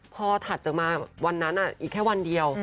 พอถัดจากมาวันนั้นอีกแค่วันเดียว